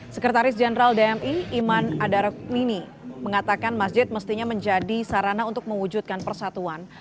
sekretaris jenderal dmi iman adarokmini mengatakan masjid mestinya menjadi sarana untuk mewujudkan persatuan